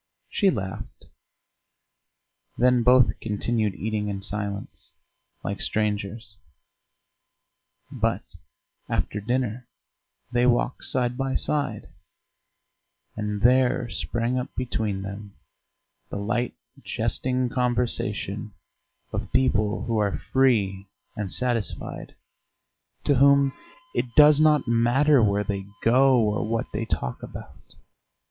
She laughed. Then both continued eating in silence, like strangers, but after dinner they walked side by side; and there sprang up between them the light jesting conversation of people who are free and satisfied, to whom it does not matter where they go or what they talk about.